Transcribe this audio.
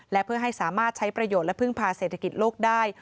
และเพื่อให้สามารถใช้ประโยชน์และพึ่งพาเศรษฐกิจโลกได้